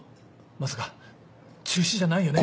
まさか中止じゃないよね？